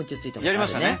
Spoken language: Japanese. やりましたね。